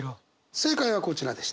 正解はこちらです。